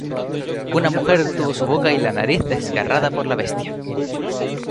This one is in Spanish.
Una mujer tuvo su boca y la nariz desgarrada por la bestia.